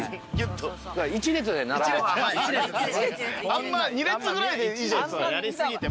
あんま２列ぐらいでいいじゃないですか。